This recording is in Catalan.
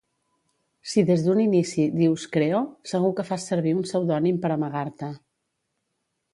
Si des d'un inici dius "creo", segur que fas servir un pseudònim per amagar-te.